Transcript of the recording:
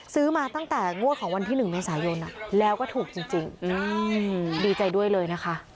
ซื้อมาตั้งแต่งวดของวันที่๑เมษายนแล้วก็ถูกจริงดีใจด้วยเลยนะคะ